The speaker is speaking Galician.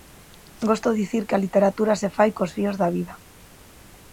Gosto dicir que a literatura se fai cos fíos da vida.